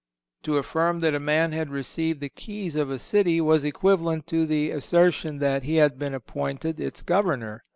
To affirm that a man had received the keys of a city was equivalent to the assertion that he had been appointed its governor.